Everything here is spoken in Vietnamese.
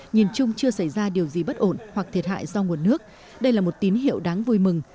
nhìn chung chưa xảy ra điều gì bất ổn hoặc thiệt hại do nguồn nước đây là một tín hiệu đáng vui mừng